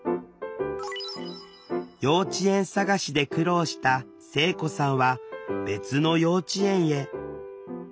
幼稚園探しで苦労した聖子さんは別の幼稚園へ。